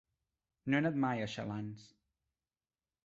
No he anat mai a Xalans.